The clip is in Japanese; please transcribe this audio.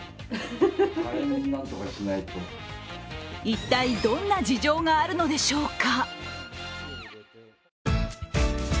一体どんな事情があるのでしょうか。